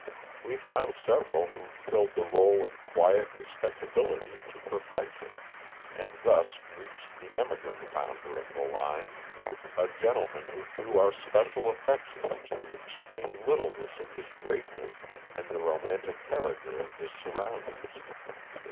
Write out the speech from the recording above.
We found several who filled the rôle of quiet respectability to perfection, and thus reached the emigrant founder of the line, a gentleman who drew our special affections by the extreme littleness of his greatness and the romantic character of his surroundings.